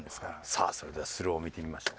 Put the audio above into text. さあそれではスローを見てみましょう。